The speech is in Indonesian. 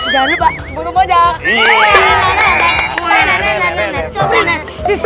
jangan lupa bunuh mojang